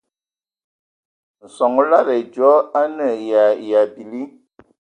Nson o lada ai dzɔ o nə aye yə a bili.